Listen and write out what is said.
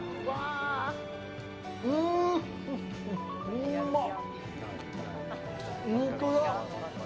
うまっ！